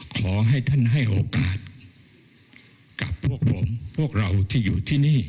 ขอให้ท่านให้โอกาสกับพวกผมพวกเราที่อยู่ที่นี่